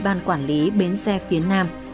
ban quản lý bến xe phía nam